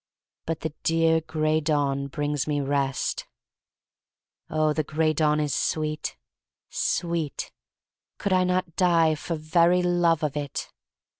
But the dear Gray Dawn brings me Rest. Oh, the Gray Dawn is sweet — sweet! Could I not die for very love of it!